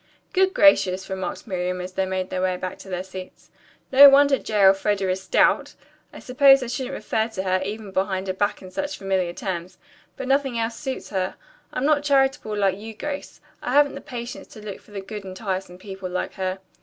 "Good gracious!" remarked Miriam as they made their way back to their seats. "No wonder J. Elfreda is stout! I suppose I shouldn't refer to her, even behind her back, in such familiar terms, but nothing else suits her. I'm not charitable like you, Grace. I haven't the patience to look for the good in tiresome people like her.